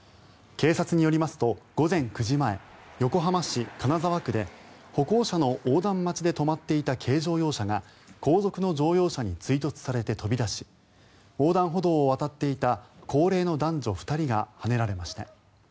警察によりますと午前９時前横浜市金沢区で歩行者の横断待ちで止まっていた軽自動車が後続の乗用車に追突されて飛び出し横断歩道を渡っていた高齢の男女２人がはねられました。